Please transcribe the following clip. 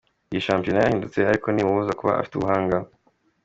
"Iyi shampiyona yarahindutse ariko ntibimubuza kuba afite ubuhanga.